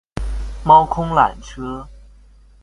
貓空纜車